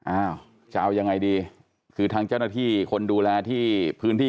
อ้าวจะเอายังไงดีคือทางเจ้าหน้าที่คนดูแลที่พื้นที่